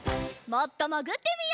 もっともぐってみよう。